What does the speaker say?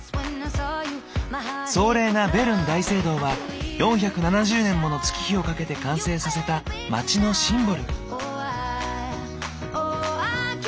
壮麗なベルン大聖堂は４７０年もの月日をかけて完成させた街のシンボル。